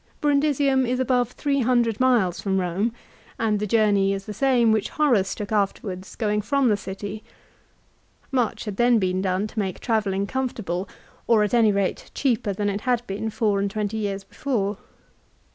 Brundisium is above three hundred miles from Borne, and the journey is the same which Horace took afterwards, going from the city. 2 Much had then been done to make travelling comfortable, or at any rate cheaper than it had been four and twenty years before.